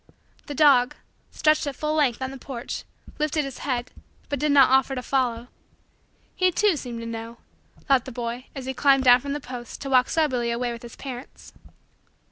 The dog, stretched at full length on the porch, lifted his head but did not offer to follow. He, too, seemed to know, thought the boy as he climbed down from the post to walk soberly away with his parents.